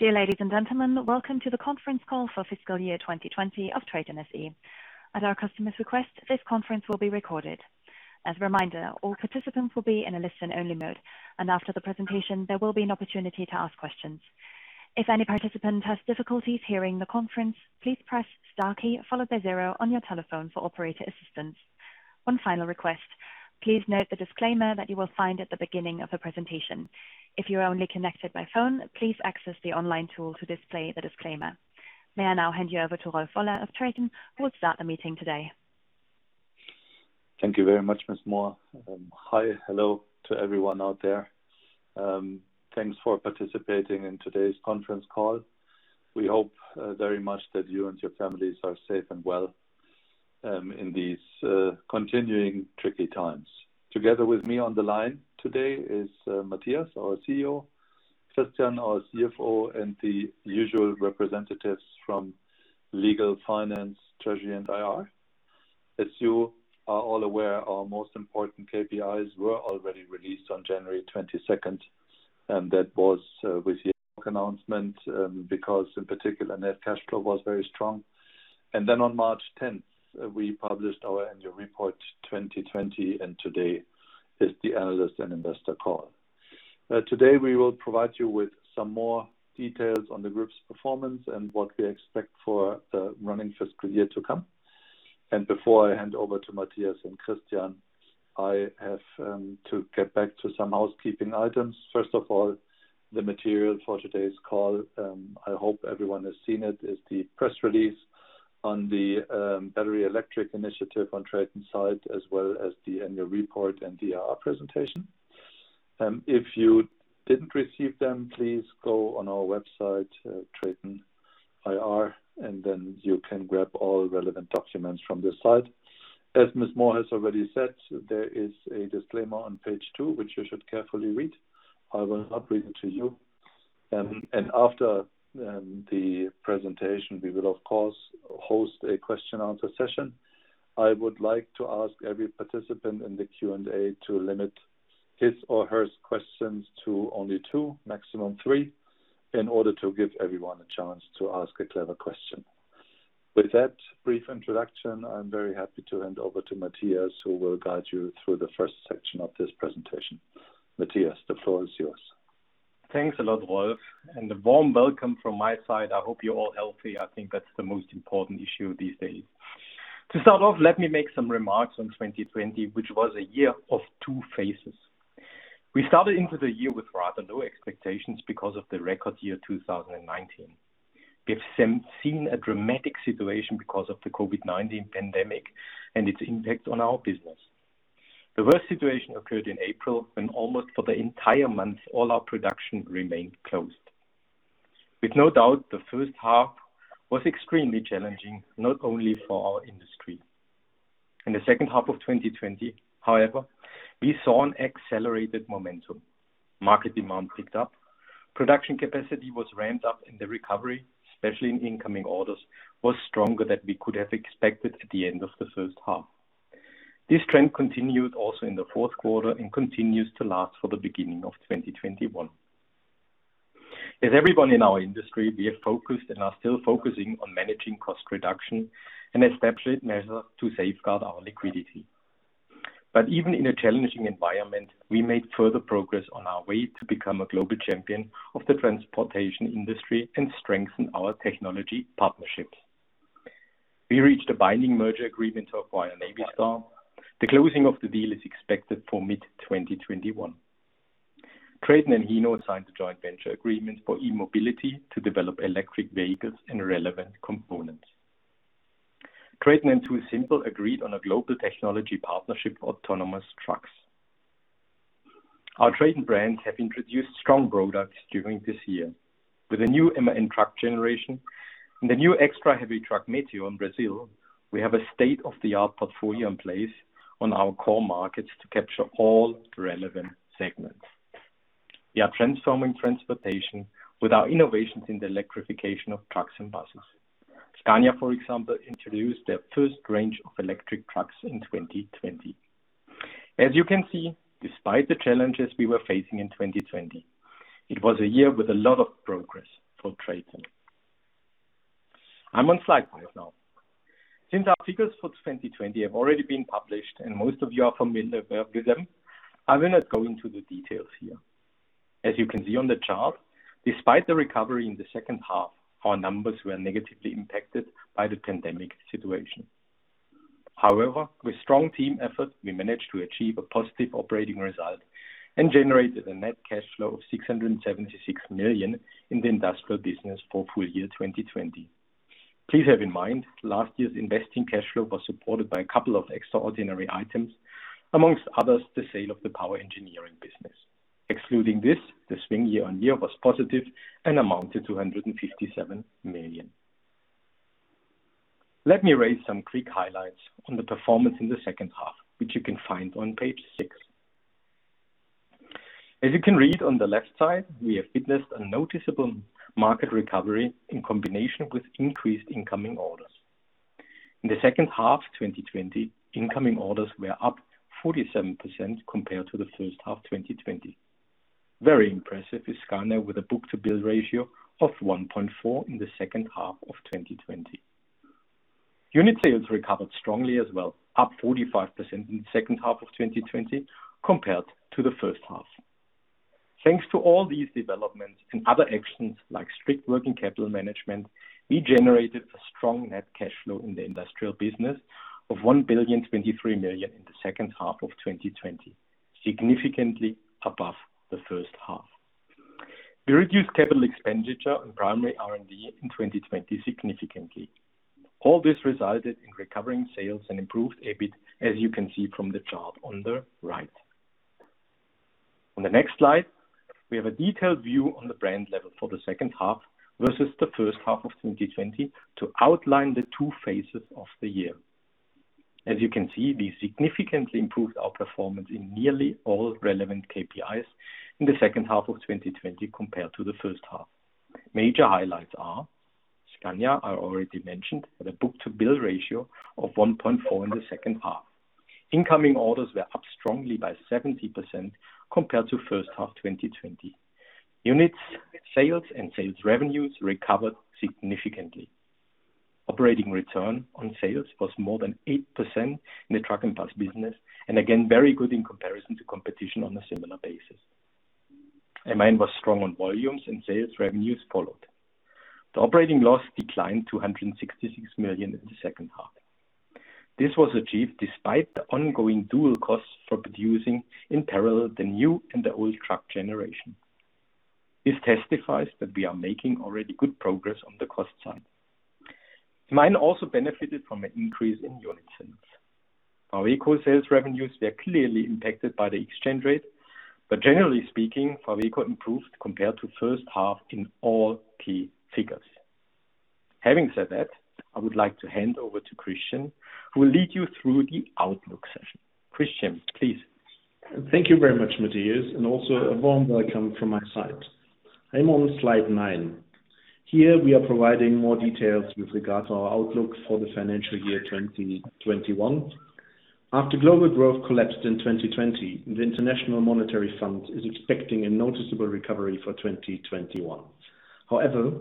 Dear ladies and gentlemen, welcome to the conference call for fiscal year 2020 of TRATON SE. At our customer's request, this conference will be recorded. As a reminder, all participants will be in a listen-only mode, and after the presentation, there will be an opportunity to ask questions. If any participant has difficulties hearing the conference, please press star key followed by zero on your telephone for operator assistance. One final request. Please note the disclaimer that you will find at the beginning of the presentation. If you are only connected by phone, please access the online tool to display the disclaimer. May I now hand you over to Rolf Woller of TRATON, who will start the meeting today. Thank you very much, Ms. Moore. Hi. Hello to everyone out there. Thanks for participating in today's conference call. We hope very much that you and your families are safe and well in these continuing tricky times. Together with me on the line today is Matthias, our CEO, Christian, our CFO, and the usual representatives from legal, finance, treasury, and IR. As you are all aware, our most important KPIs were already released on January 22nd, and that was with the announcement, because in particular, net cash flow was very strong. On March 10th, we published our annual report 2020, and today is the analyst and investor call. Today, we will provide you with some more details on the group's performance and what we expect for the running fiscal year to come. Before I hand over to Matthias and Christian, I have to get back to some housekeeping items. First of all, the material for today's call, I hope everyone has seen it, is the press release on the battery electric initiative on TRATON site, as well as the annual report and DR presentation. If you didn't receive them, please go on our website, TRATON IR, you can grab all relevant documents from this site. As Ms. Moore has already said, there is a disclaimer on page two, which you should carefully read. I will not read it to you. After the presentation, we will, of course, host a question answer session. I would like to ask every participant in the Q&A to limit his or her questions to only two, maximum three, in order to give everyone a chance to ask a clever question. With that brief introduction, I'm very happy to hand over to Matthias, who will guide you through the first section of this presentation. Matthias, the floor is yours. Thanks a lot, Rolf. A warm welcome from my side. I hope you're all healthy. I think that's the most important issue these days. To start off, let me make some remarks on 2020, which was a year of two phases. We started into the year with rather low expectations because of the record year 2019. We have seen a dramatic situation because of the COVID-19 pandemic and its impact on our business. The worst situation occurred in April, when almost for the entire month, all our production remained closed. With no doubt, the first half was extremely challenging, not only for our industry. In the second half of 2020, however, we saw an accelerated momentum. Market demand picked up. Production capacity was ramped up in the recovery, especially in incoming orders, was stronger than we could have expected at the end of the first half. This trend continued also in the fourth quarter and continues to last for the beginning of 2021. As everyone in our industry, we are focused and are still focusing on managing cost reduction and establish measures to safeguard our liquidity. Even in a challenging environment, we made further progress on our way to become a global champion of the transportation industry and strengthen our technology partnerships. We reached a binding merger agreement to acquire Navistar. The closing of the deal is expected for mid-2021. TRATON and Hino signed a joint venture agreement for e-mobility to develop electric vehicles and relevant components. TRATON and TuSimple agreed on a global technology partnership for autonomous trucks. Our TRATON brands have introduced strong products during this year. With a new MAN truck generation and the new extra heavy truck Meteor in Brazil, we have a state-of-the-art portfolio in place on our core markets to capture all relevant segments. We are transforming transportation with our innovations in the electrification of trucks and buses. Scania, for example, introduced their first range of electric trucks in 2020. As you can see, despite the challenges we were facing in 2020, it was a year with a lot of progress for TRATON. I'm on slide five now. Since our figures for 2020 have already been published and most of you are familiar with them, I will not go into the details here. As you can see on the chart, despite the recovery in the second half, our numbers were negatively impacted by the pandemic situation. However, with strong team effort, we managed to achieve a positive operating result and generated a net cash flow of 676 million in the industrial business for full year 2020. Please have in mind, last year's investing cash flow was supported by a couple of extraordinary items, amongst others, the sale of the Power Engineering business. Excluding this, the swing year on year was positive and amounted to 157 million. Let me raise some quick highlights on the performance in the second half, which you can find on page six. As you can read on the left side, we have witnessed a noticeable market recovery in combination with increased incoming orders. In the second half of 2020, incoming orders were up 47% compared to the first half 2020. Very impressive is Scania with a book-to-bill ratio of 1.4 in the second half of 2020. Unit sales recovered strongly as well, up 45% in the second half of 2020 compared to the first half. Thanks to all these developments and other actions like strict working capital management, we generated a strong net cash flow in the industrial business of 1 billion, 23 million in the second half of 2020, significantly above the first half. We reduced CapEx on primary R&D in 2020 significantly. All this resulted in recovering sales and improved EBIT, as you can see from the chart on the right. On the next slide, we have a detailed view on the brand level for the second half versus the first half of 2020 to outline the two phases of the year. As you can see, we significantly improved our performance in nearly all relevant KPIs in the second half of 2020 compared to the first half. Major highlights are Scania, I already mentioned, with a book-to-bill ratio of 1.4x in the second half. Incoming orders were up strongly by 70% compared to first half 2020. Unit sales and sales revenues recovered significantly. Operating return on sales was more than 8% in the truck and bus business, and again, very good in comparison to competition on a similar basis. MAN was strong on volumes and sales revenues followed. The operating loss declined to 166 million in the second half. This was achieved despite the ongoing dual costs for producing in parallel the new and the old truck generation. This testifies that we are making already good progress on the cost side. MAN also benefited from an increase in unit sales. Our [equal sales] revenues were clearly impacted by the exchange rate, but generally speaking, for eco improved compared to first half in all key figures. Having said that, I would like to hand over to Christian, who will lead you through the outlook session. Christian, please. Thank you very much, Matthias, and also a warm welcome from my side. I'm on slide nine. Here, we are providing more details with regards to our outlook for the financial year 2021. After global growth collapsed in 2020, the International Monetary Fund is expecting a noticeable recovery for 2021. However,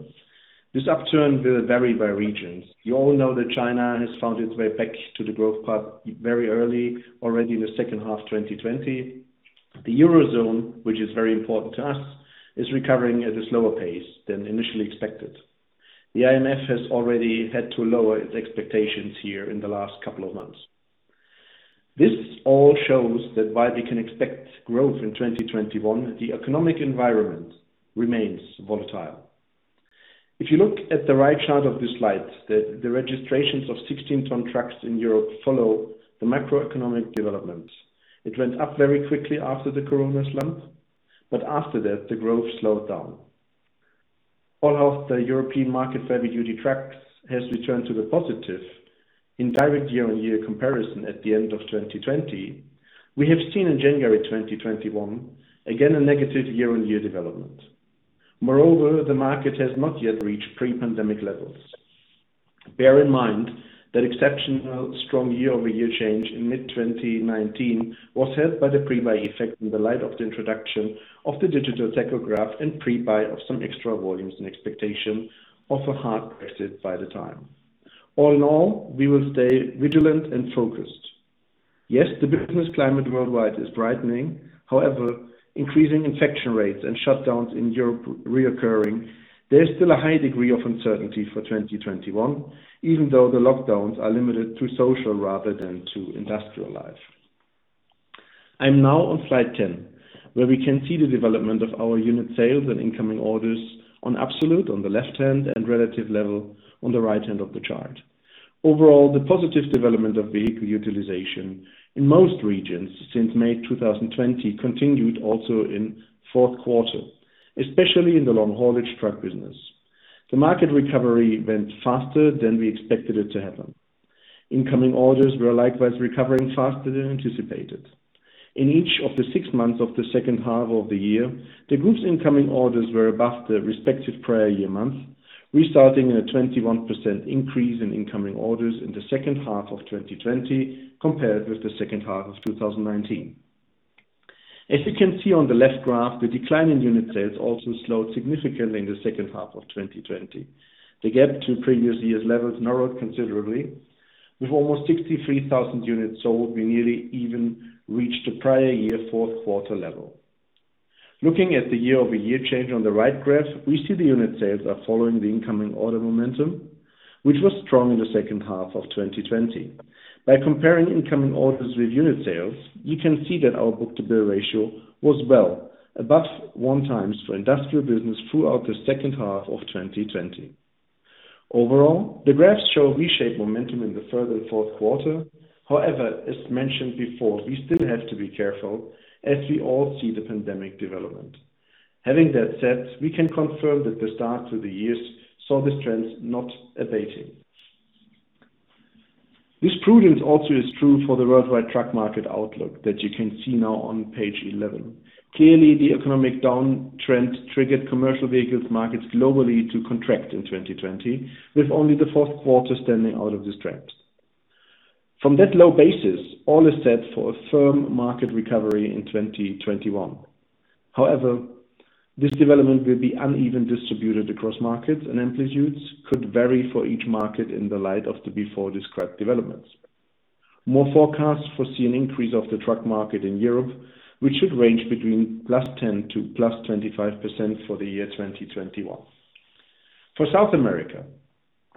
this upturn will vary by regions. You all know that China has found its way back to the growth path very early already in the second half 2020. The eurozone, which is very important to us, is recovering at a slower pace than initially expected. The IMF has already had to lower its expectations here in the last couple of months. This all shows that while we can expect growth in 2021, the economic environment remains volatile. If you look at the right chart of this slide, the registrations of 16-ton trucks in Europe follow the macroeconomic developments. It went up very quickly after the corona slump. After that, the growth slowed down. All of the European market, heavy-duty trucks, has returned to the positive in direct year-on-year comparison at the end of 2020. We have seen in January 2021, again, a negative year-on-year development. Moreover, the market has not yet reached pre-pandemic levels. Bear in mind that exceptional strong year-over-year change in mid-2019 was helped by the pre-buy effect in the light of the introduction of the digital tachograph and pre-buy of some extra volumes in expectation of a hard Brexit by the time. All in all, we will stay vigilant and focused. Yes, the business climate worldwide is brightening. However, increasing infection rates and shutdowns in Europe reoccurring, there is still a high degree of uncertainty for 2021, even though the lockdowns are limited to social rather than to industrial life. I am now on slide 10, where we can see the development of our unit sales and incoming orders on absolute on the left-hand and relative level on the right-hand of the chart. Overall, the positive development of vehicle utilization in most regions since May 2020 continued also in fourth quarter, especially in the long-haulage truck business. The market recovery went faster than we expected it to happen. Incoming orders were likewise recovering faster than anticipated. In each of the six months of the second half of the year, the group's incoming orders were above the respective prior year months, resulting in a 21% increase in incoming orders in the second half of 2020 compared with the second half of 2019. As you can see on the left graph, the decline in unit sales also slowed significantly in the second half of 2020. The gap to previous year's levels narrowed considerably. With almost 63,000 units sold, we nearly even reached the prior year fourth quarter level. Looking at the year-over-year change on the right graph, we see the unit sales are following the incoming order momentum, which was strong in the second half of 2020. By comparing incoming orders with unit sales, you can see that our book-to-bill ratio was well above one times for industrial business throughout the second half of 2020. Overall, the graphs show resumed momentum in the third and fourth quarter. However, as mentioned before, we still have to be careful as we all see the pandemic development. Having that said, we can confirm that the start to the year saw these trends not abating. This prudence also is true for the worldwide truck market outlook that you can see now on page 11. Clearly, the economic downtrend triggered commercial vehicles markets globally to contract in 2020, with only the fourth quarter standing out of this trend. From that low basis, all is set for a firm market recovery in 2021. This development will be unevenly distributed across markets, and amplitudes could vary for each market in light of the before-described developments. More forecasts foresee an increase of the truck market in Europe, which should range between plus 10% to plus 25% for the year 2021. For South America,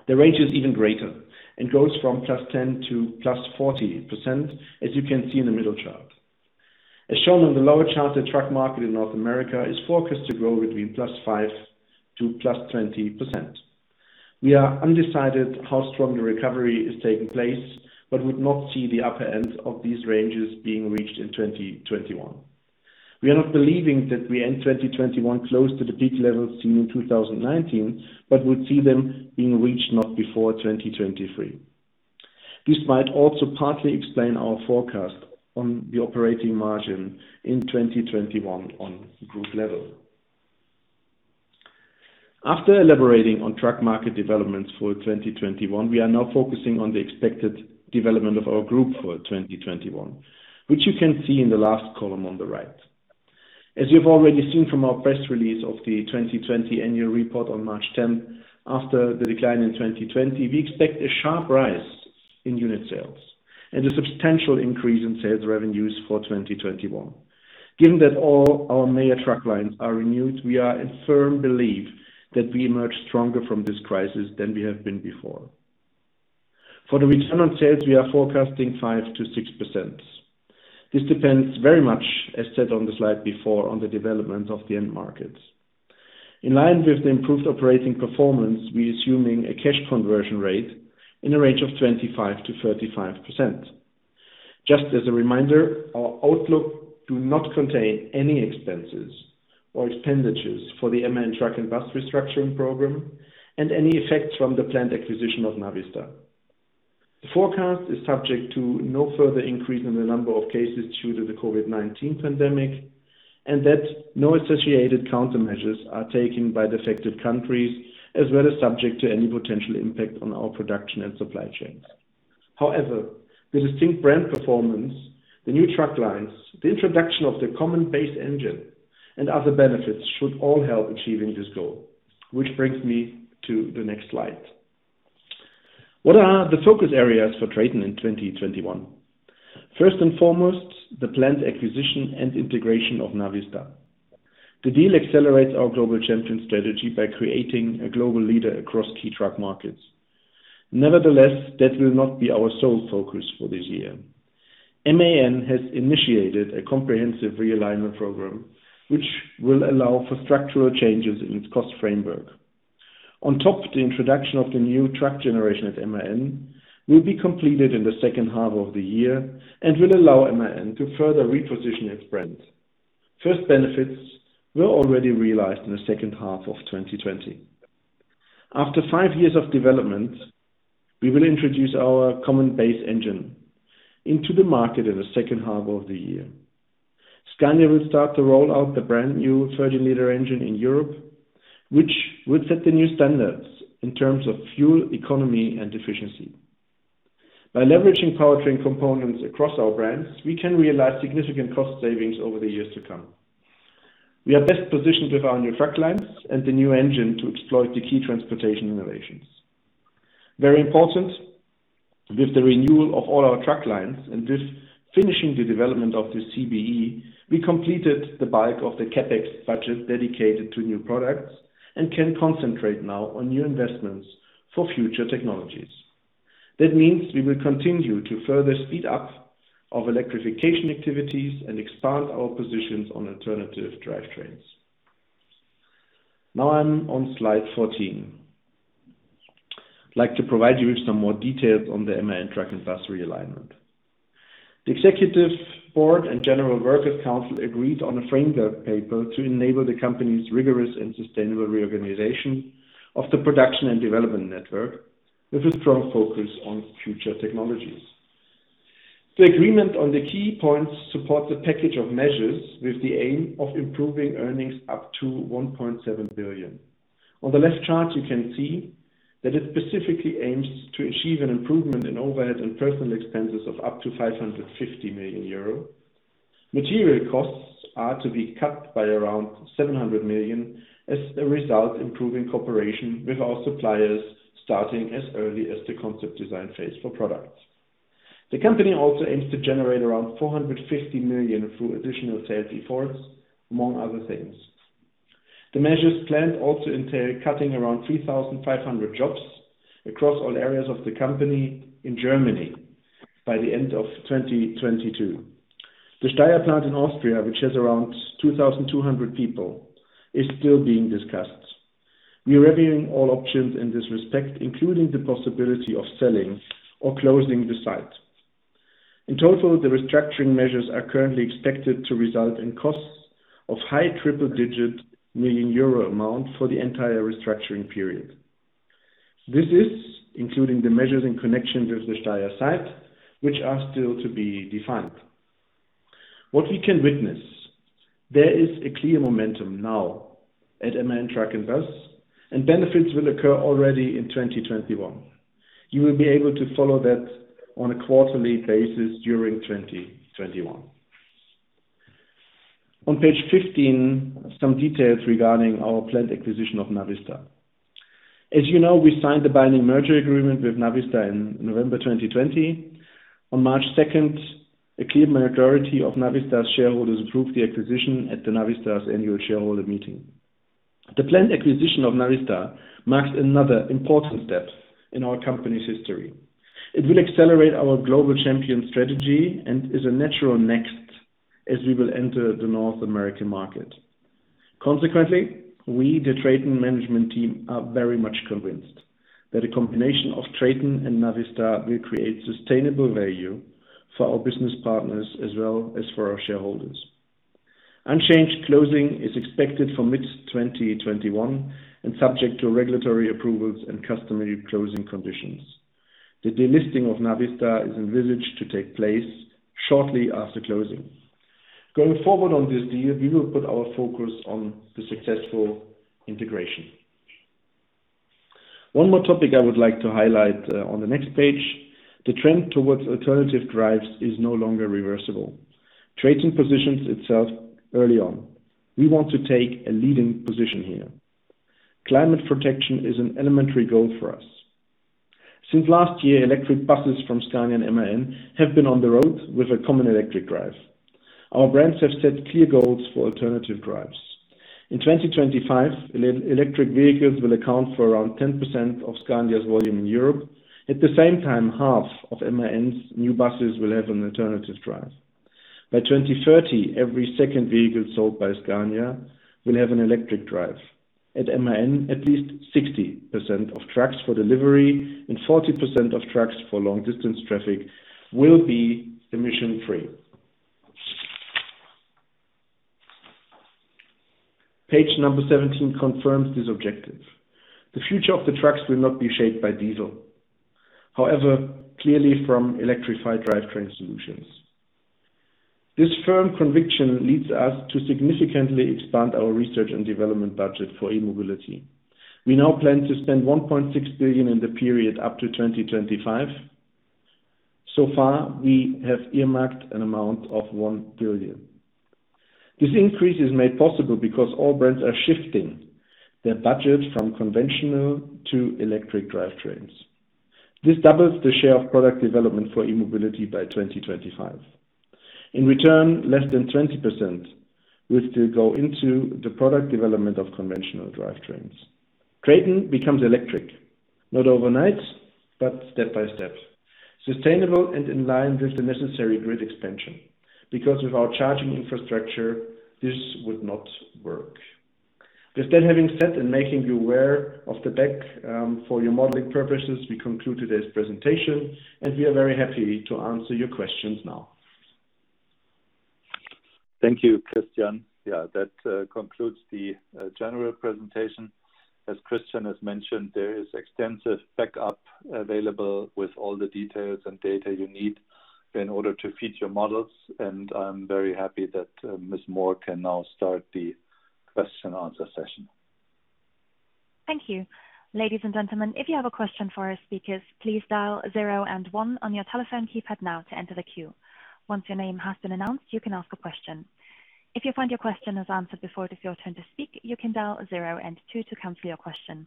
the range is even greater and goes from +10% to plus 40%, as you can see in the middle chart. As shown on the lower chart, the truck market in North America is forecast to grow between +5% to +20%. We are undecided how strong the recovery is taking place. We would not see the upper end of these ranges being reached in 2021. We are not believing that we end 2021 close to the peak levels seen in 2019, but would see them being reached not before 2023. This might also partly explain our forecast on the operating margin in 2021 on the group level. After elaborating on truck market developments for 2021, we are now focusing on the expected development of our group for 2021, which you can see in the last column on the right. As you've already seen from our press release of the 2020 annual report on March 10, after the decline in 2020, we expect a sharp rise in unit sales and a substantial increase in sales revenues for 2021. Given that all our major truck lines are renewed, we are in firm belief that we emerge stronger from this crisis than we have been before. For the return on sales, we are forecasting 5%-6%. This depends very much, as said on the slide before, on the development of the end markets. In line with the improved operating performance, we're assuming a cash conversion rate in the range of 25%-35%. Just as a reminder, our outlook does not contain any expenses or expenditures for the MAN Truck & Bus restructuring program and any effects from the planned acquisition of Navistar. The forecast is subject to no further increase in the number of cases due to the COVID-19 pandemic, and that no associated countermeasures are taken by the affected countries, as well as subject to any potential impact on our production and supply chains. However, the distinct brand performance, the new truck lines, the introduction of the Common Base Engine, and other benefits should all help achieving this goal. Which brings me to the next slide. What are the focus areas for TRATON in 2021? First and foremost, the planned acquisition and integration of Navistar. The deal accelerates our global champion strategy by creating a global leader across key truck markets. Nevertheless, that will not be our sole focus for this year. MAN has initiated a comprehensive realignment program, which will allow for structural changes in its cost framework. On top, the introduction of the new truck generation at MAN will be completed in the second half of the year and will allow MAN to further reposition its brand. First benefits were already realized in the second half of 2020. After five years of development, we will introduce our Common Base Engine into the market in the second half of the year. Scania will start to roll out the brand new 13 L engine in Europe, which would set the new standards in terms of fuel economy and efficiency. By leveraging powertrain components across our brands, we can realize significant cost savings over the years to come. We are best positioned with our new truck lines and the new engine to exploit the key transportation innovations. Very important, with the renewal of all our truck lines and with finishing the development of the CBE, we completed the bulk of the CapEx budget dedicated to new products and can concentrate now on new investments for future technologies. That means we will continue to further speed up our electrification activities and expand our positions on alternative drivetrains. Now I'm on slide 14. I'd like to provide you with some more details on the MAN Truck & Bus realignment. The executive board and general workers council agreed on a framework paper to enable the company's rigorous and sustainable reorganization of the production and development network with a strong focus on future technologies. The agreement on the key points supports a package of measures with the aim of improving earnings up to 1.7 billion. On the left chart, you can see that it specifically aims to achieve an improvement in overhead and personal expenses of up to 550 million euro. Material costs are to be cut by around 700 million as a result, improving cooperation with our suppliers, starting as early as the concept design phase for products. The company also aims to generate around 450 million through additional sales efforts, among other things. The measures planned also entail cutting around 3,500 jobs across all areas of the company in Germany by the end of 2022. The Steyr plant in Austria, which has around 2,200 people, is still being discussed. We are reviewing all options in this respect, including the possibility of selling or closing the site. In total, the restructuring measures are currently expected to result in costs of high triple-digit million EUR amount for the entire restructuring period. This is including the measures in connection with the Steyr site, which are still to be defined. What we can witness, there is a clear momentum now at MAN Truck & Bus, and benefits will occur already in 2021. You will be able to follow that on a quarterly basis during 2021. On page 15, some details regarding our planned acquisition of Navistar. As you know, we signed the binding merger agreement with Navistar in November 2020. On March 2nd, a clear majority of Navistar's shareholders approved the acquisition at Navistar's annual shareholder meeting. The planned acquisition of Navistar marks another important step in our company's history. It will accelerate our global champion strategy and is a natural next as we will enter the North American market. Consequently, we, the TRATON management team, are very much convinced that a combination of TRATON and Navistar will create sustainable value for our business partners as well as for our shareholders. Unchanged closing is expected for mid-2021 and subject to regulatory approvals and customary closing conditions. The delisting of Navistar is envisaged to take place shortly after closing. Going forward on this deal, we will put our focus on the successful integration. One more topic I would like to highlight on the next page, the trend towards alternative drives is no longer reversible. TRATON positions itself early on. We want to take a leading position here. Climate protection is an elementary goal for us. Since last year, electric buses from Scania and MAN have been on the road with a common electric drive. Our brands have set clear goals for alternative drives. In 2025, electric vehicles will account for around 10% of Scania's volume in Europe. At the same time, half of MAN's new buses will have an alternative drive. By 2030, every second vehicle sold by Scania will have an electric drive. At MAN, at least 60% of trucks for delivery and 40% of trucks for long distance traffic will be emission free. Page number 17 confirms this objective. The future of the trucks will not be shaped by diesel. Clearly from electrified drivetrain solutions. This firm conviction leads us to significantly expand our research and development budget for e-mobility. We now plan to spend 1.6 billion in the period up to 2025. So far, we have earmarked an amount of 1 billion. This increase is made possible because all brands are shifting their budget from conventional to electric drivetrains. This doubles the share of product development for e-mobility by 2025. In return, less than 20% will still go into the product development of conventional drivetrains. TRATON becomes electric, not overnight, but step by step, sustainable and in line with the necessary grid expansion, because without charging infrastructure, this would not work. With that having said and making you aware of the deck for your modeling purposes, we conclude today's presentation, and we are very happy to answer your questions now. Thank you, Christian. Yeah, that concludes the general presentation. As Christian has mentioned, there is extensive backup available with all the details and data you need in order to feed your models, and I'm very happy that Ms. Moore can now start the question and answer session. Thank you. Ladies and gentlemen, if you have a question for our speakers, please dial zero and one on your telephone keypad now to enter the queue. Once your name has been announced, you can ask a question. If you find your question is answered before it is your turn to speak, you can dial zero and two to cancel your question.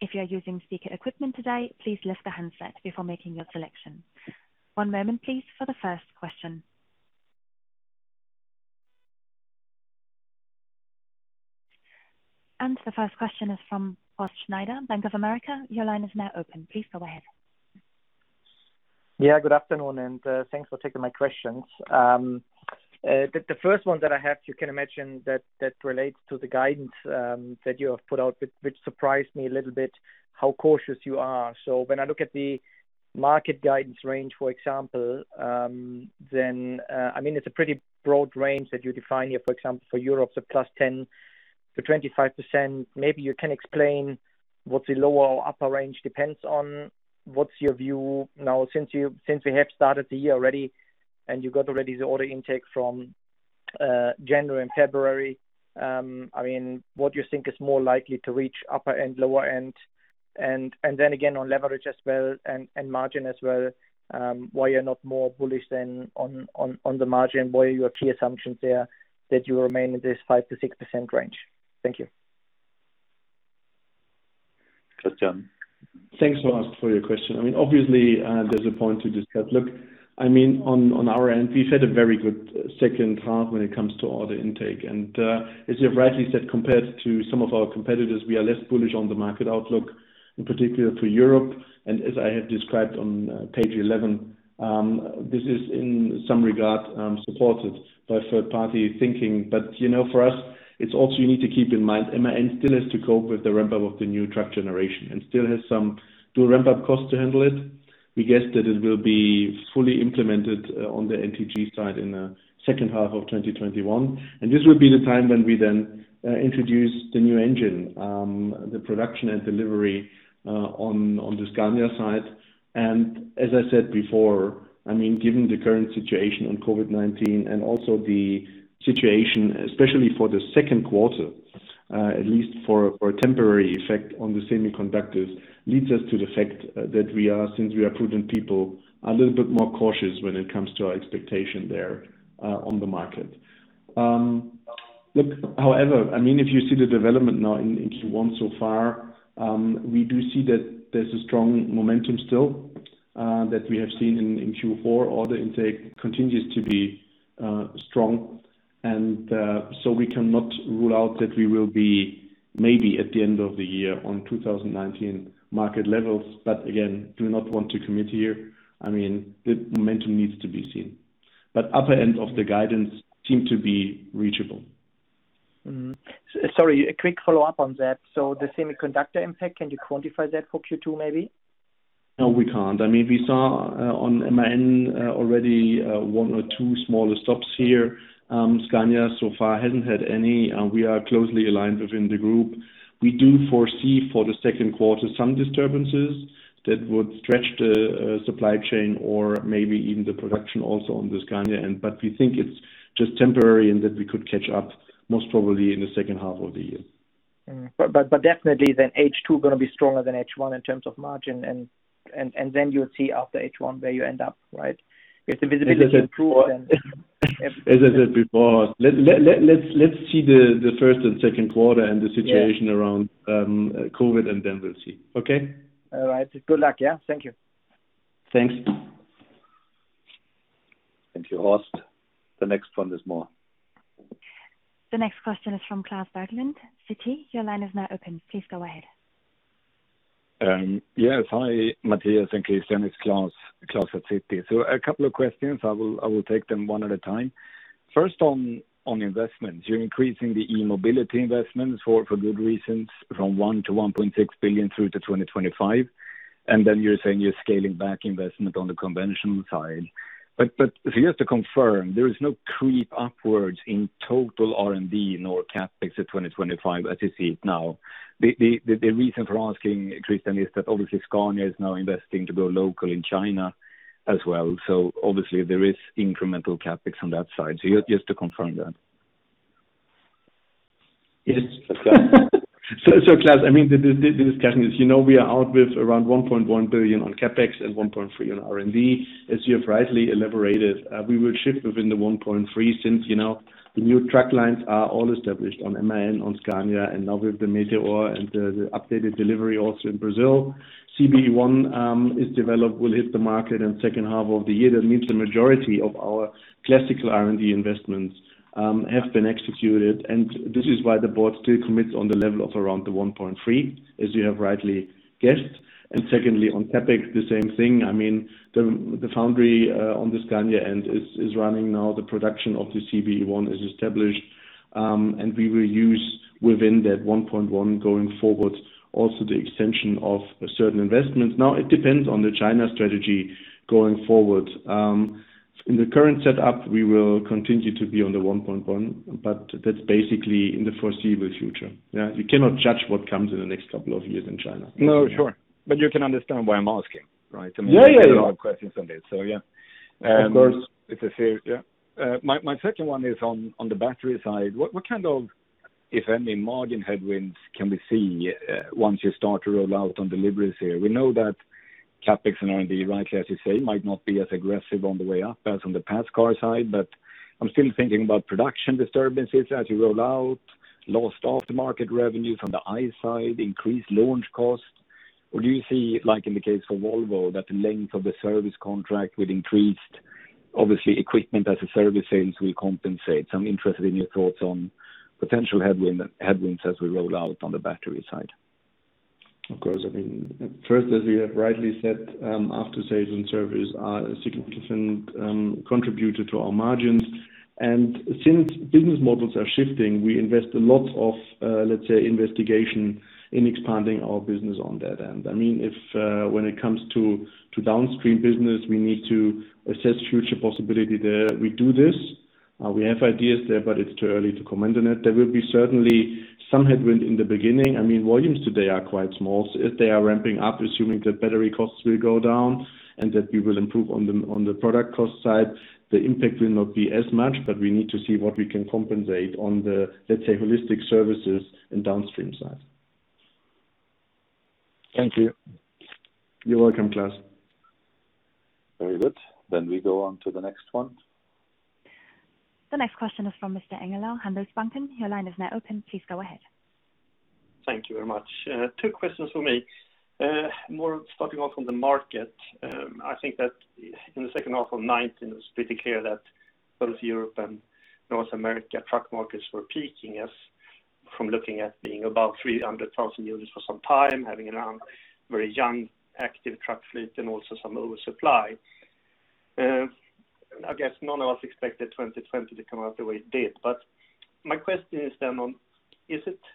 If you are using speaker equipment today, please lift the handset before making your selection. One moment, please, for the first question. The first question is from Horst Schneider, Bank of America. Your line is now open. Please go ahead. Yeah, good afternoon, and thanks for taking my questions. The first one that I have, you can imagine that relates to the guidance that you have put out, which surprised me a little bit how cautious you are. When I look at the market guidance range, for example, then it's a pretty broad range that you define here, for example, for Europe, the plus 10%-25%. Maybe you can explain what the lower or upper range depends on. What's your view now, since we have started the year already and you got already the order intake from January and February. What you think is more likely to reach upper and lower end? Again, on leverage as well and margin as well, why you're not more bullish then on the margin? What are your key assumptions there that you remain in this 5%-6% range? Thank you. Christian? Thanks, Horst, for your question. Obviously, there's a point to discuss. On our end, we've had a very good second half when it comes to order intake. As you've rightly said, compared to some of our competitors, we are less bullish on the market outlook, in particular to Europe. As I have described on page 11, this is in some regard, supported by third party thinking. For us, it's also you need to keep in mind, MAN still has to cope with the ramp-up of the new truck generation and still has some dual ramp-up cost to handle it. We guess that it will be fully implemented on the NTG side in the second half of 2021. This will be the time when we then introduce the new engine, the production and delivery on the Scania side. As I said before, given the current situation on COVID-19 and also the situation, especially for the second quarter, at least for a temporary effect on the semiconductors, leads us to the fact that we are, since we are prudent people, a little bit more cautious when it comes to our expectation there on the market. However, if you see the development now in Q1 so far, we do see that there's a strong momentum still, that we have seen in Q4. Order intake continues to be strong. We cannot rule out that we will be maybe at the end of the year on 2019 market levels. Again, do not want to commit here. The momentum needs to be seen. Upper end of the guidance seem to be reachable. Sorry, a quick follow-up on that. The semiconductor impact, can you quantify that for Q2 maybe? No, we can't. We saw on MAN already one or two smaller stops here. Scania so far hasn't had any. We are closely aligned within the group. We do foresee for the second quarter some disturbances that would stretch the supply chain or maybe even the production also on the Scania end. We think it's just temporary and that we could catch up most probably in the second half of the year. Definitely then H2 going to be stronger than H1 in terms of margin and then you'll see after H1 where you end up, right? If the visibility improves. As I said before, let's see the first and second quarter and the situation around COVID and then we'll see. Okay? All right. Good luck. Yeah. Thank you. Thanks. Thank you, Horst. The next one is Moore. The next question is from Klas Bergelind, Citi. Your line is now open. Please go ahead. Yes. Hi, Matthias and Christian. It's Klas at Citi. A couple of questions. I will take them one at a time. First on investments. You're increasing the e-mobility investments for good reasons from one to 1.6 billion through to 2025, and then you're saying you're scaling back investment on the conventional side. Just to confirm, there is no creep upwards in total R&D nor CapEx at 2025 as you see it now. The reason for asking, Christian, is that obviously Scania is now investing to go local in China as well. Obviously there is incremental CapEx on that side. Just to confirm that. Yes, Klas, the discussion is, we are out with around 1.1 billion on CapEx and 1.3 billion on R&D. As you have rightly elaborated, we will shift within the 1.3 billion since the new truck lines are all established on MAN, on Scania, and now with the Meteor and the updated delivery also in Brazil. CBE1 is developed, will hit the market in second half of the year. That means the majority of our classical R&D investments have been executed, and this is why the board still commits on the level of around the 1.3 billion, as you have rightly guessed. Secondly, on CapEx, the same thing. The foundry on the Scania end is running now. The production of the CBE1 is established. We will use within that 1.1 billion going forward, also the extension of certain investments. It depends on the China strategy going forward. In the current setup, we will continue to be on the 1.1, but that's basically in the foreseeable future. You cannot judge what comes in the next couple of years in China. No, sure. You can understand why I'm asking, right? Yeah. There are a lot of questions on this. Yeah. Of course. It's a serious Yeah. My second one is on the battery side. What kind of, if any, margin headwinds can we see once you start to roll out on deliveries here? We know that CapEx and R&D, rightly as you say, might not be as aggressive on the way up as on the past car side, but I'm still thinking about production disturbances as you roll out, lost off-the-market revenue from the ICE side, increased launch costs. Do you see, like in the case for Volvo, that the length of the service contract with increased, obviously equipment as a service sales will compensate? I'm interested in your thoughts on potential headwinds as we roll out on the battery side. Of course. First, as you have rightly said, after-sales and service are a significant contributor to our margins. Since business models are shifting, we invest a lot of, let's say, investigation in expanding our business on that end. When it comes to downstream business, we need to assess future possibility there. We do this. We have ideas there, but it's too early to comment on it. There will be certainly some headwind in the beginning. Volumes today are quite small. If they are ramping up, assuming that battery costs will go down and that we will improve on the product cost side, the impact will not be as much, but we need to see what we can compensate on the, let's say, holistic services and downstream side. Thank you. You're welcome, Klas. Very good. We go on to the next one. The next question is from Mr. Engellau, Handelsbanken. Your line is now open. Please go ahead. Thank you very much. Two questions from me. Starting off from the market. I think that in the second half of 2019, it was pretty clear that both Europe and North America truck markets were peaking as from looking at being above 300,000 units for some time, having around very young, active truck fleet and also some oversupply. I guess none of us expected 2020 to come out the way it did. My question is then on,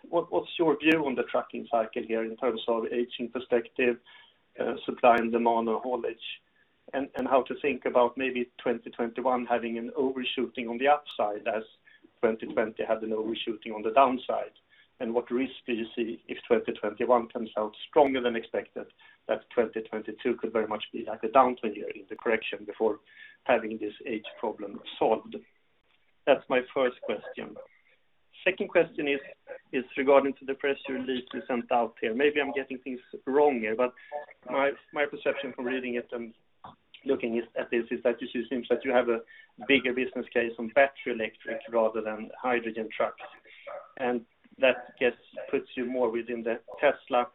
what's your view on the trucking cycle here in terms of aging perspective, supply and demand or haulage, and how to think about maybe 2021 having an overshooting on the upside as 2020 had an overshooting on the downside? What risk do you see if 2021 comes out stronger than expected, that 2022 could very much be like a downturn here in the correction before having this age problem solved? That's my first question. Second question is regarding to the press release you sent out here. My perception from reading it and looking at this is that it just seems like you have a bigger business case on battery electric rather than hydrogen trucks. That puts you more within the Tesla.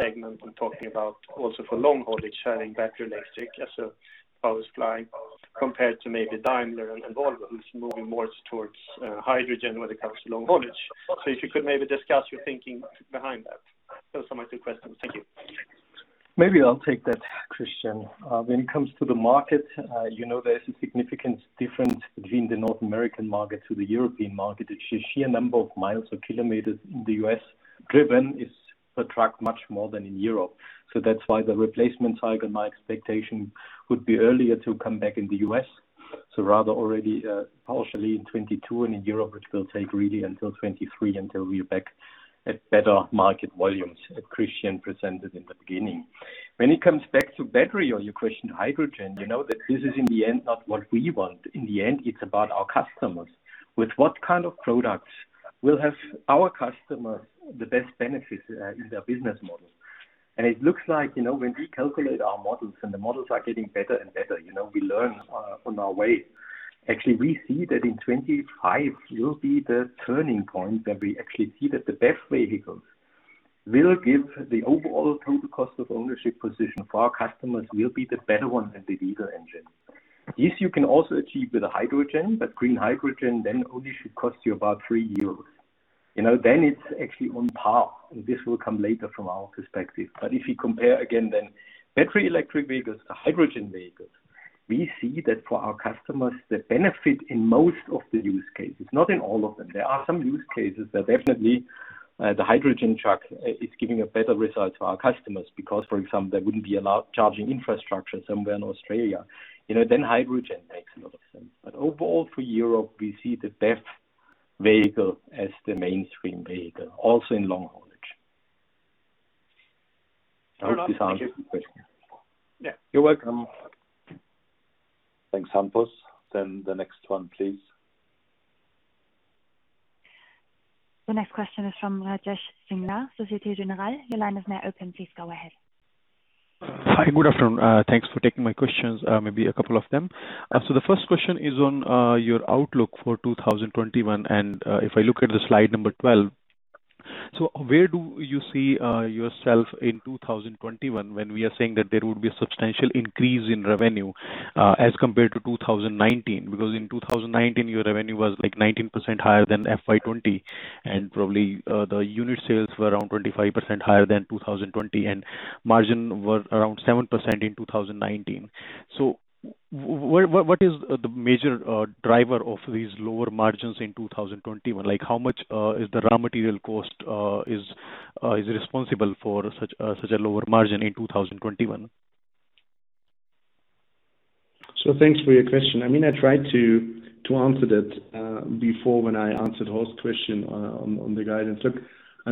I'm talking about also for long haulage, having battery electric as a power supply compared to maybe Daimler and Volvo, who's moving more towards hydrogen when it comes to long haulage. If you could maybe discuss your thinking behind that. Those are my two questions. Thank you. Maybe I'll take that, Christian. When it comes to the market, there is a significant difference between the North American market to the European market. The sheer number of miles or kilometers in the U.S. driven is per truck much more than in Europe. That's why the replacement cycle, my expectation would be earlier to come back in the U.S., rather already partially in 2022, and in Europe, which will take really until 2023, until we are back at better market volumes, as Christian presented in the beginning. When it comes back to battery or your question, hydrogen, you know that this is in the end not what we want. In the end, it's about our customers. With what kind of products will have our customers the best benefits in their business model? It looks like, when we calculate our models, and the models are getting better and better, we learn on our way. Actually, we see that in 2025 will be the turning point that we actually see that the BEV vehicles will give the overall total cost of ownership position for our customers will be the better one than the diesel engine. This you can also achieve with a hydrogen, but green hydrogen then only should cost you about 3 euros. It's actually on par, and this will come later from our perspective. If you compare again, then battery electric vehicles to hydrogen vehicles, we see that for our customers, the benefit in most of the use cases, not in all of them. There are some use cases that definitely the hydrogen truck is giving a better result to our customers because, for example, there wouldn't be a charging infrastructure somewhere in Australia. Hydrogen makes a lot of sense. Overall for Europe, we see the BEV vehicle as the mainstream vehicle, also in long haulage. Thank you. You're welcome. Thanks, Hampus. The next one, please. The next question is from Rajesh Singla, Société Générale. Your line is now open. Please go ahead. Hi, good afternoon. Thanks for taking my questions, maybe a couple of them. The first question is on your outlook for 2021. If I look at the slide number 12, where do you see yourself in 2021 when we are saying that there would be a substantial increase in revenue, as compared to 2019? Because in 2019, your revenue was 19% higher than FY 2020, and probably the unit sales were around 25% higher than 2020, and margin was around 7% in 2019. What is the major driver of these lower margins in 2021? How much is the raw material cost is responsible for such a lower margin in 2021? Thanks for your question. I tried to answer that before when I answered Horst's question on the guidance. Look,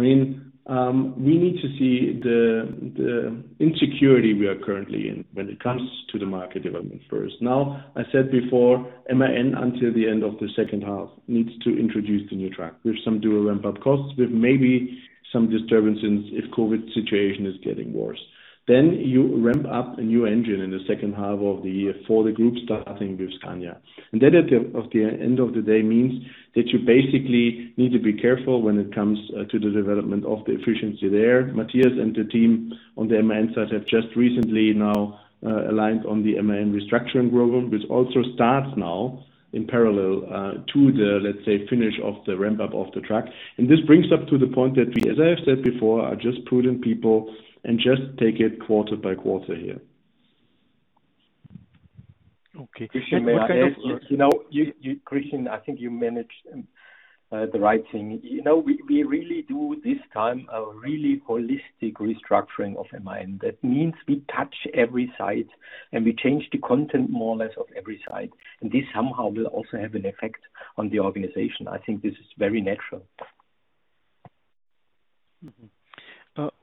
we need to see the insecurity we are currently in when it comes to the market development first. I said before, MAN, until the end of the second half, needs to introduce the new truck with some dual ramp-up costs, with maybe some disturbances if COVID-19 situation is getting worse. You ramp up a new engine in the second half of the year for the group starting with Scania. That at the end of the day means that you basically need to be careful when it comes to the development of the efficiency there. Matthias and the team on the MAN side have just recently now aligned on the MAN restructuring program, which also starts now in parallel to the, let's say, finish of the ramp-up of the truck. This brings up to the point that we, as I have said before, are just prudent people and just take it quarter by quarter here. Okay. Christian, I think you managed the right thing. We really do this time a really holistic restructuring of MAN. That means we touch every side, and we change the content more or less of every side. This somehow will also have an effect on the organization. I think this is very natural.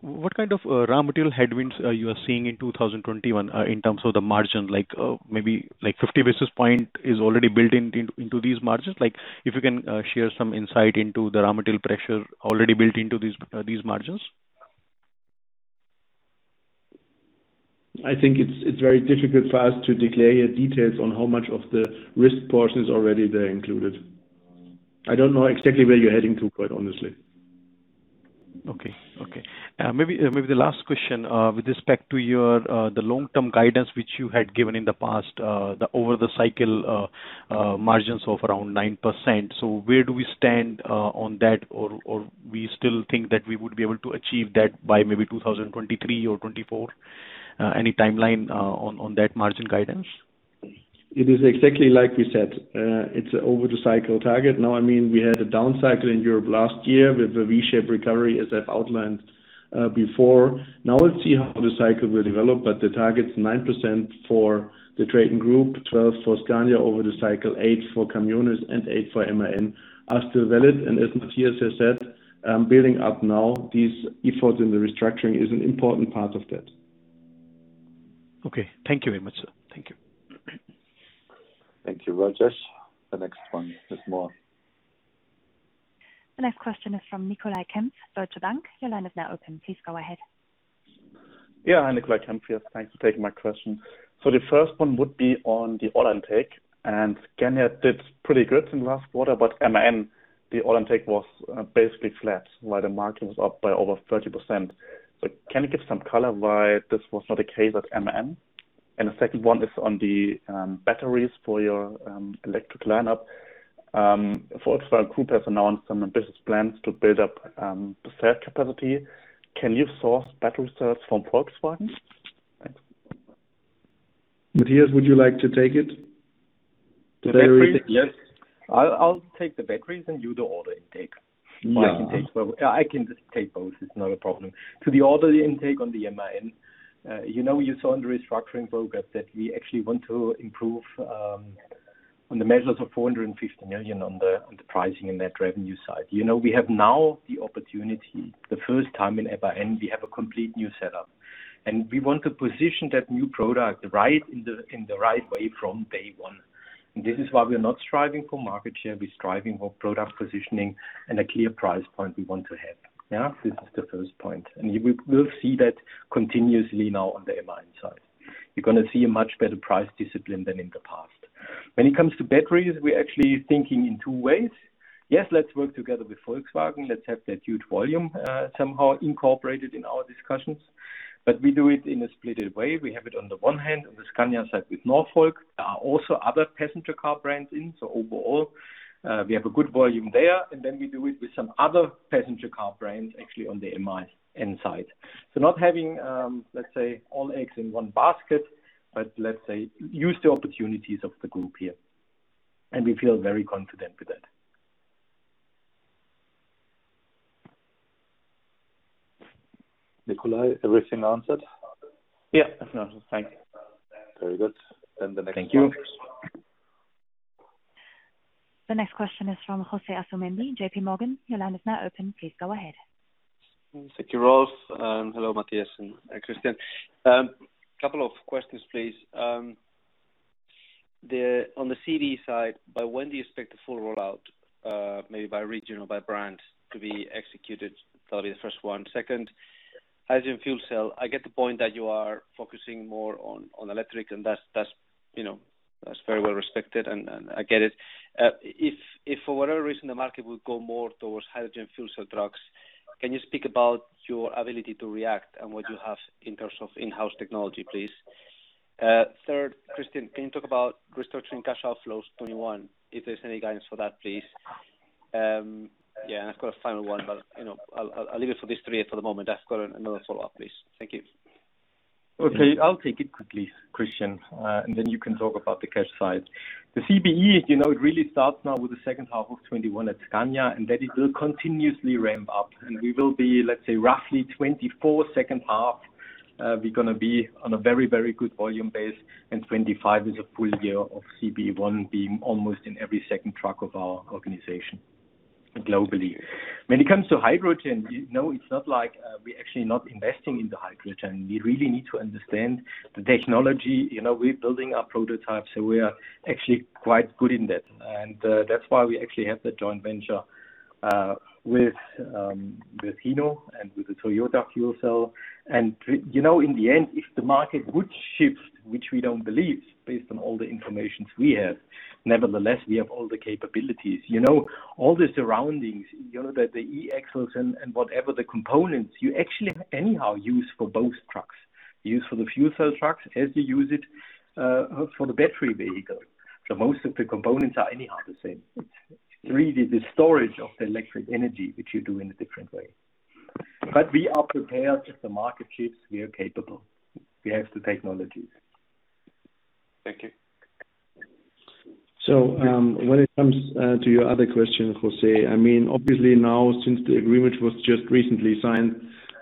What kind of raw material headwinds are you seeing in 2021 in terms of the margin? Maybe 50 basis points is already built into these margins. If you can share some insight into the raw material pressure already built into these margins? I think it's very difficult for us to declare details on how much of the risk portion is already there included. I don't know exactly where you're heading to, quite honestly. Okay. Maybe the last question, with respect to the long-term guidance which you had given in the past, over the cycle margins of around 9%. Where do we stand on that, or we still think that we would be able to achieve that by maybe 2023 or 2024? Any timeline on that margin guidance? It is exactly like we said. It's over the cycle target. We had a down cycle in Europe last year with a V-shaped recovery, as I've outlined before. Let's see how the cycle will develop, but the target's 9% for the TRATON Group, 12 for Scania over the cycle, eight for Caminhões and eight for MAN, are still valid. As Matthias has said, building up now these efforts in the restructuring is an important part of that. Okay. Thank you very much, sir. Thank you. Thank you, Rajesh. The next one is Mark. The next question is from Nicolai Kempf, Deutsche Bank. Your line is now open. Please go ahead. Yeah. Hi, Nicolai Kempf here. Thanks for taking my question. The first one would be on the order intake, and Scania did pretty good in last quarter, but MAN, the order intake was basically flat while the market was up by over 30%. Can you give some color why this was not the case at MAN? The second one is on the batteries for your electric lineup. Volkswagen Group has announced some business plans to build up the cell capacity. Can you source battery cells from Volkswagen? Thanks. Matthias, would you like to take it? Yes. I'll take the batteries and you do order intake. Yeah. I can just take both. It's not a problem. To the order intake on the MAN. You saw in the restructuring program that we actually want to improve on the measures of 450 million on the pricing and net revenue side. We have now the opportunity, the first time in MAN, we have a complete new setup. We want to position that new product in the right way from day one. This is why we're not striving for market share, we're striving for product positioning and a clear price point we want to have. Yeah. This is the first point, and we will see that continuously now on the MAN side. You're going to see a much better price discipline than in the past. When it comes to batteries, we're actually thinking in two ways. Yes, let's work together with Volkswagen. Let's have that huge volume somehow incorporated in our discussions, but we do it in a splitted way. We have it on the one hand, on the Scania side with Northvolt. There are also other passenger car brands in, so overall, we have a good volume there. Then we do it with some other passenger car brands actually on the MAN side. Not having, let's say, all eggs in one basket, but let's say, use the opportunities of the group here. We feel very confident with that. Nicolai, everything answered? Yeah, everything answered. Thank you. Very good. The next one. Thank you. The next question is from José Asumendi, JPMorgan. Your line is now open. Please go ahead. Thank you, Rolf. Hello, Matthias and Christian. Couple of questions, please. On the CBE side, by when do you expect the full rollout, maybe by region or by brand, to be executed? That'll be the first one. Second, hydrogen fuel cell. I get the point that you are focusing more on electric, and that's very well respected, and I get it. If for whatever reason, the market will go more towards hydrogen fuel cell trucks, can you speak about your ability to react and what you have in terms of in-house technology, please? Third, Christian, can you talk about restructuring cash outflows 2021? If there's any guidance for that, please. Yeah, I've got a final one, but I'll leave it for these three for the moment. I've got another follow-up, please. Thank you. Okay. I'll take it quickly, Christian, then you can talk about the cash side. The CBE, it really starts now with the second half of 2021 at Scania, that it will continuously ramp up. We will be, let's say roughly 2024 second half, we're going to be on a very, very good volume base, 2025 is a full year of CBE1 being almost in every second truck of our organization globally. When it comes to hydrogen, it's not like we're actually not investing in the hydrogen. We really need to understand the technology. We're building our prototype, so we are actually quite good in that. That's why we actually have the joint venture, with Hino and with the Toyota fuel cell. In the end, if the market would shift, which we don't believe based on all the information we have, nevertheless, we have all the capabilities. All the surroundings, the e-axles and whatever the components, you actually anyhow use for both trucks. You use for the fuel cell trucks as you use it for the battery vehicle. Most of the components are anyhow the same. It's really the storage of the electric energy which you do in a different way. We are prepared. If the market shifts, we are capable. We have the technologies. Thank you. When it comes to your other question, José, obviously now, since the agreement was just recently signed,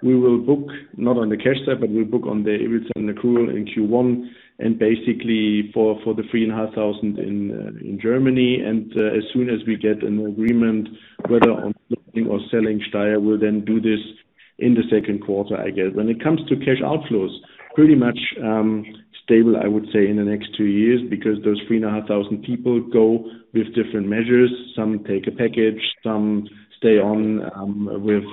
we will book not on the cash side, but we'll book on the earnings and accrual in Q1, and basically for the 3,500 in Germany. As soon as we get an agreement, whether on listing or selling Steyr, we'll then do this in the second quarter, I guess. When it comes to cash outflows, pretty much stable, I would say, in the next two years, because those 3,500 people go with different measures. Some take a package, some stay on with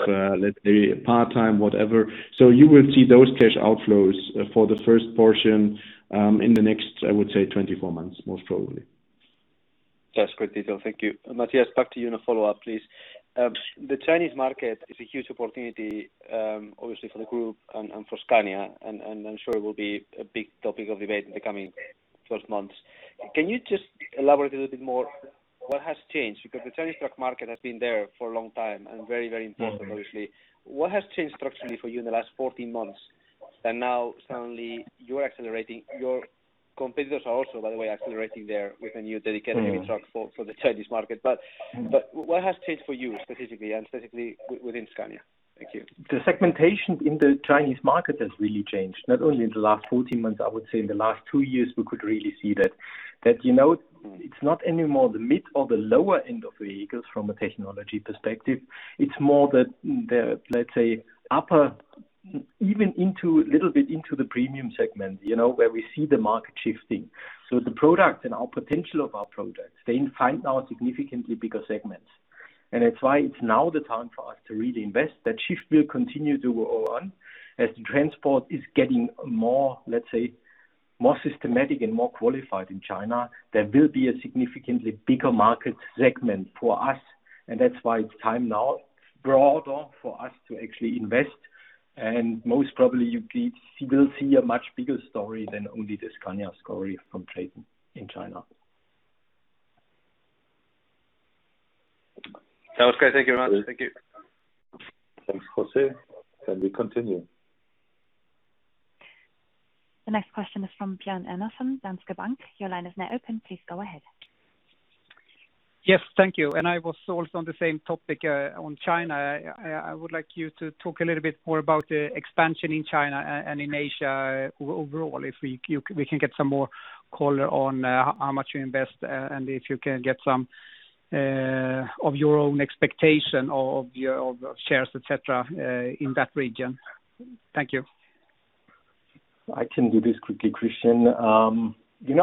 let's say, part-time, whatever. You will see those cash outflows for the first portion, in the next, I would say 24 months, most probably. Yes, great detail. Thank you. Matthias, back to you on a follow-up, please. The Chinese market is a huge opportunity, obviously for the group and for Scania, and I'm sure it will be a big topic of debate in the coming first months. Can you just elaborate a little bit more what has changed? The Chinese truck market has been there for a long time and very, very important, obviously. What has changed structurally for you in the last 14 months that now suddenly you're accelerating? Your competitors are also, by the way, accelerating there with a new dedicated heavy truck for the Chinese market. What has changed for you specifically, and specifically within Scania? Thank you. The segmentation in the Chinese market has really changed, not only in the last 14 months. I would say in the last two years, we could really see that. It's not any more the mid or the lower end of vehicles from a technology perspective. It's more the, let's say, upper, even into a little bit into the premium segment, where we see the market shifting. The product and our potential of our products, they find now significantly bigger segments. That's why it's now the time for us to really invest. That shift will continue to go on. As transport is getting more, let's say, more systematic and more qualified in China, there will be a significantly bigger market segment for us, and that's why it's time now broader for us to actually invest. Most probably, you will see a much bigger story than only the Scania story from TRATON in China. That was great. Thank you very much. Thank you. Thanks, José. Can we continue? The next question is from Björn Enarson, Danske Bank. Your line is now open. Please go ahead. Yes. Thank you. I was also on the same topic, on China. I would like you to talk a little bit more about the expansion in China and in Asia overall. If we can get some more color on how much you invest and if you can get some of your own expectation of your shares, et cetera, in that region. Thank you. I can do this quickly, Christian.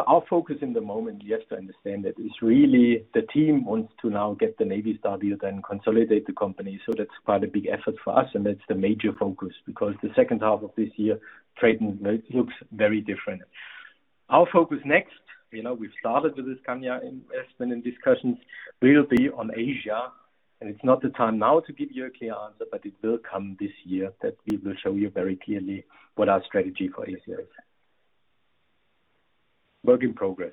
Our focus at the moment, you have to understand that, is really the team wants to now get the Navistar, then consolidate the company. That's quite a big effort for us, and that's the major focus because the second half of this year, TRATON looks very different. Our focus next, we've started with the Scania investment and discussions, will be on Asia, and it's not the time now to give you a clear answer, but it will come this year that we will show you very clearly what our strategy for Asia is. Work in progress.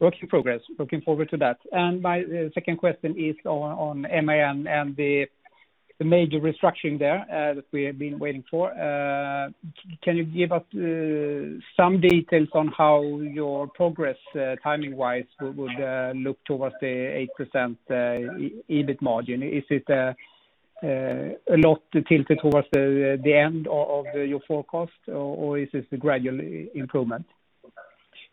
Work in progress. Looking forward to that. My second question is on MAN and the major restructuring there that we have been waiting for. Can you give us some details on how your progress, timing-wise, would look towards the 8% EBIT margin? Is it a lot tilted towards the end of your forecast, or is this a gradual improvement?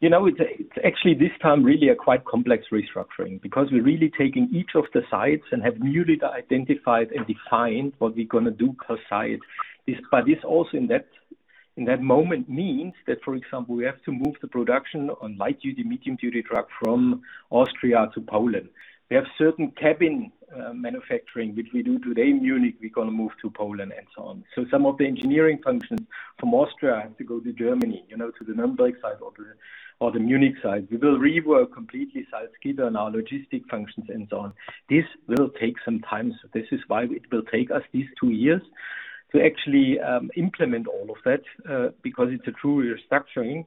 It's actually this time really a quite complex restructuring because we're really taking each of the sites and have newly identified and defined what we're going to do per site. This also in that moment means that, for example, we have to move the production on light duty, medium duty truck from Austria to Poland. We have certain cabin manufacturing, which we do today in Munich, we're going to move to Poland and so on. Some of the engineering functions from Austria have to go to Germany, to the Nuremberg site or the Munich site. We will rework completely site structure and our logistic functions and so on. This will take some time. This is why it will take us these two years to actually implement all of that, because it's a true restructuring.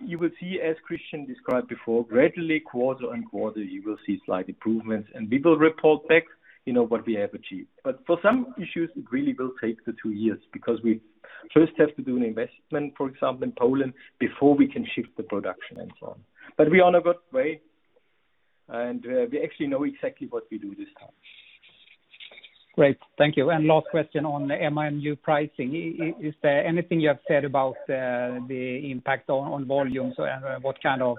You will see, as Christian described before, gradually quarter and quarter, you will see slight improvements and we will report back what we have achieved. For some issues it really will take the two years because we first have to do an investment, for example in Poland, before we can shift the production and so on. We are on a good way and we actually know exactly what we do this time. Great. Thank you. Last question on MAN new pricing. Is there anything you have said about the impact on volumes or what kind of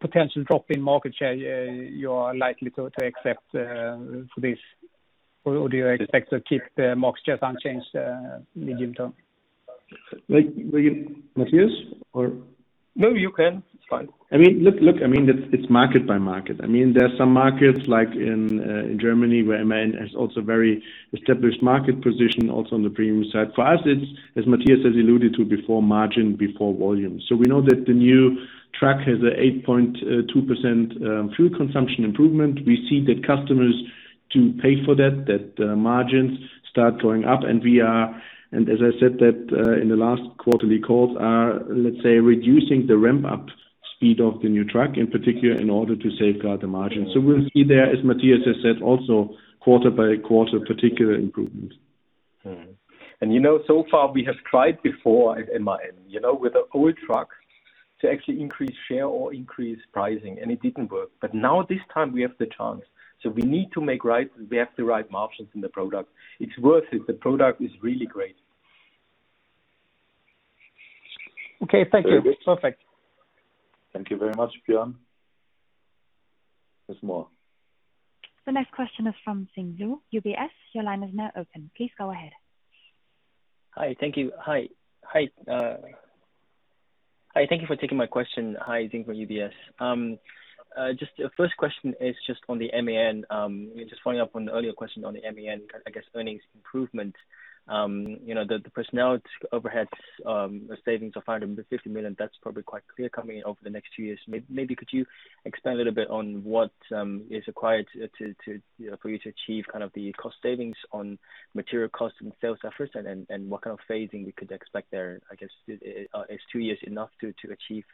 potential drop in market share you are likely to accept for this? Do you expect to keep the market share unchanged medium-term? Matthias or? No, you can. It's fine. It's market by market. There are some markets like in Germany where MAN has also very established market position also on the premium side. For us it's, as Matthias has alluded to before, margin before volume. We know that the new truck has a 8.2% fuel consumption improvement. We see that customers do pay for that margins start going up and we are, and as I said that in the last quarterly calls are, let's say, reducing the ramp-up speed of the new truck, in particular in order to safeguard the margin. We'll see there, as Matthias has said also, quarter by quarter particular improvements. So far we have tried before at MAN with the old truck to actually increase share or increase pricing and it didn't work. Now this time we have the chance. We need to make right. We have the right margins in the product. It's worth it. The product is really great. Okay. Thank you. Perfect. Thank you very much, Björn. There's more. The next question is from [Xin Lu], UBS. Your line is now open. Please go ahead. Hi. Thank you. Hi. Thank you for taking my question. Hi, Xing from UBS. Just a first question is just on the MAN. Just following up on the earlier question on the MAN, I guess earnings improvement. The personnel overhead savings of 550 million, that's probably quite clear coming over the next two years. Maybe could you expand a little bit on what is required for you to achieve the cost savings on material cost and sales efforts, and what kind of phasing we could expect there? I guess, is two years enough to achieve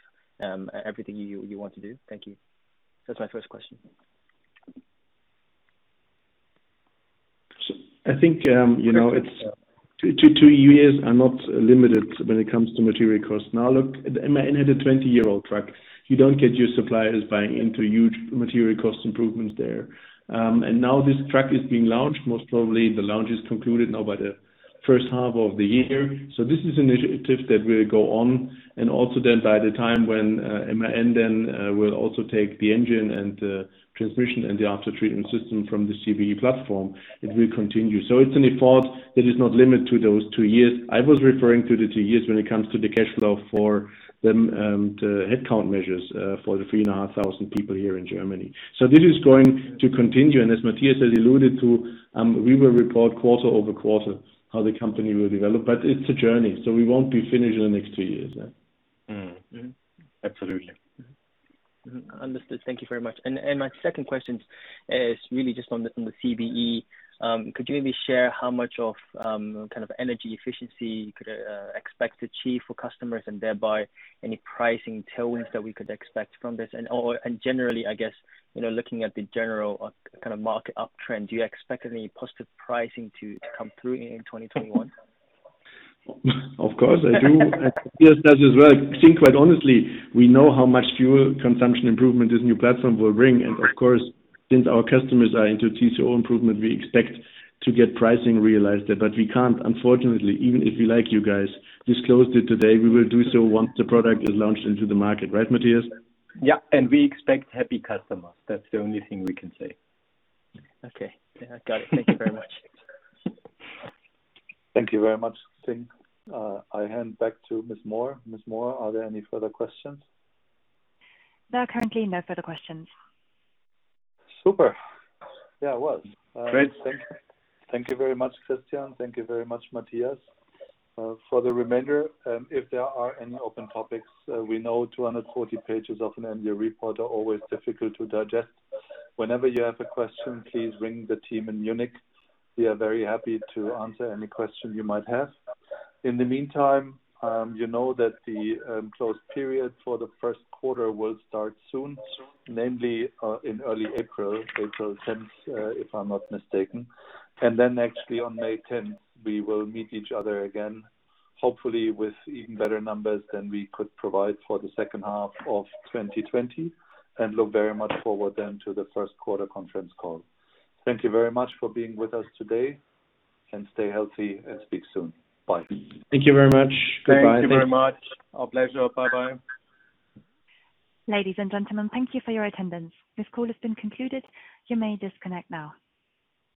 everything you want to do? Thank you. That's my first question. I think, two years are not limited when it comes to material cost. Now look, MAN had a 20-year-old truck. You don't get your suppliers buying into huge material cost improvements there. Now this truck is being launched, most probably the launch is concluded now by the first half of the year. This is initiative that will go on, and also then by the time when MAN then will also take the engine and the transmission and the after-treatment system from the CBE platform, it will continue. It's an effort that is not limited to those two years. I was referring to the two years when it comes to the cash flow for the headcount measures for the 3,500 people here in Germany. This is going to continue, and as Matthias has alluded to, we will report quarter-over-quarter how the company will develop. It's a journey, so we won't be finished in the next two years. Mm-hmm. Absolutely. Understood. Thank you very much. My second question is really just on the CBE. Could you maybe share how much of energy efficiency you could expect to achieve for customers, and thereby any pricing tailwinds that we could expect from this? Generally, I guess, looking at the general market uptrend, do you expect any positive pricing to come through in 2021? Of course, I do. Matthias does as well. I think, quite honestly, we know how much fuel consumption improvement this new platform will bring, and of course, since our customers are into TCO improvement, we expect to get pricing realized there. We can't, unfortunately, even if we like you guys, disclose it today. We will do so once the product is launched into the market. Right, Matthias? Yeah. We expect happy customers. That's the only thing we can say. Okay. Yeah, got it. Thank you very much. Thank you very much, [Xin]. I hand back to Ms. Moore. Ms. Moore, are there any further questions? No, currently no further questions. Super. Yeah, it was. Great. Thank you very much, Christian. Thank you very much, Matthias. For the remainder, if there are any open topics, we know 240 pages of an annual report are always difficult to digest. Whenever you have a question, please ring the team in Munich. We are very happy to answer any question you might have. In the meantime, you know that the closed period for the first quarter will start soon, namely in early April. April 10th, if I'm not mistaken. Then actually on May 10th, we will meet each other again, hopefully with even better numbers than we could provide for the second half of 2020, and look very much forward then to the first quarter conference call. Thank you very much for being with us today, and stay healthy and speak soon. Bye. Thank you very much. Goodbye. Thank you very much. Our pleasure. Bye-bye. Ladies and gentlemen, thank you for your attendance. This call has been concluded. You may disconnect now.